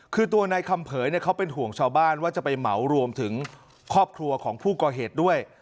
คือตัวนายคำเผยเขาเป็นห่วงชาวบ้านว่าจะไปเหมารวมถึงครอบครัวของผู้ก่อเหตุด้วย